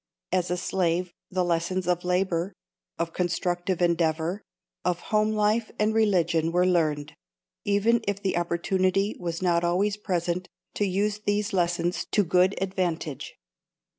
As a slave the lessons of labor, of constructive endeavor, of home life and religion were learned, even if the opportunity was not always present to use these lessons to good advantage.